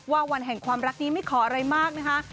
วันแห่งความรักนี้ไม่ขออะไรมากนะคะ